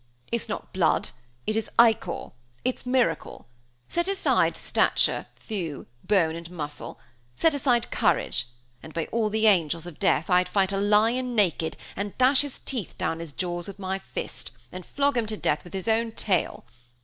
It's not blood; it is ichor! it's miracle! Set aside stature, thew, bone, and muscle set aside courage, and by all the angels of death, I'd fight a lion naked, and dash his teeth down his jaws with my fist, and flog him to death with his own tail!